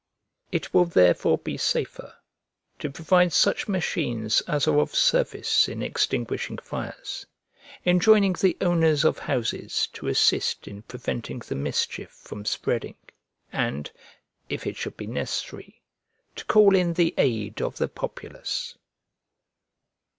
It will therefore be safer to provide such machines as are of service in extinguishing fires, enjoining the owners of houses to assist in preventing the mischief from spreading, and, if it should be necessary, to call in the aid of the populace.